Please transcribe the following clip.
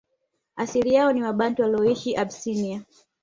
Asili yao ni Wabantu walioishi Abysinia